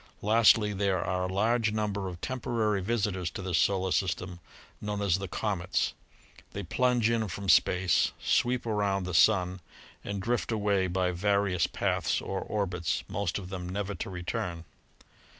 Lastly there are a large number of temporary visitors to this solar system known as the "'comets." They plunge in from space, sweep around the sun and drift away by various paths or orbits, most of them never to return.